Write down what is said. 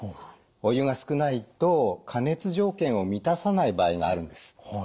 お湯が少ないと加熱条件を満たさない場合があるんです。